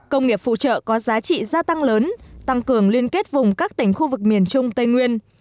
công nghiệp phụ trợ có giá trị gia tăng lớn tăng cường liên kết vùng các tỉnh khu vực miền trung tây nguyên